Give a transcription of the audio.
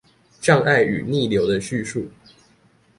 障礙與逆流的敘述